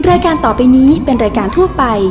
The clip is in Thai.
รายการต่อไปนี้เป็นรายการทั่วไป